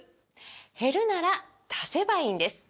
減るなら足せばいいんです！